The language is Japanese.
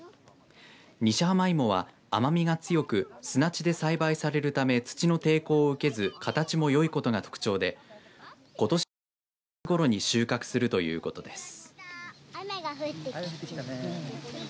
西浜いもは甘みが強く砂地で栽培されるため土の抵抗を受けず形もよいことが特徴でことし１１月ごろに収穫するということです。